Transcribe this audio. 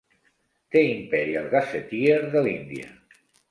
The Imperial Gazetteer de l'Índia.